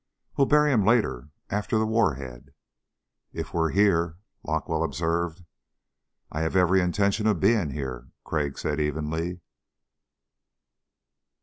"Well bury him later after the warhead." "If we're here," Larkwell observed. "I have every intention of being here," Crag said evenly.